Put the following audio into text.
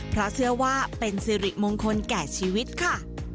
เพราะเชื่อว่าเป็นสิริมงคลแก่ชีวิตค่ะ